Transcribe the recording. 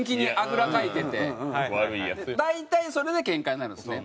大体それでケンカになるんですね。